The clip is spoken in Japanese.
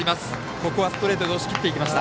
ここはストレートで押し切っていきました。